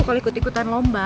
kalau ikut ikutan lomba